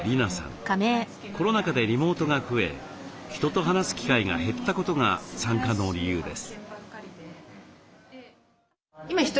コロナ禍でリモートが増え人と話す機会が減ったことが参加の理由です。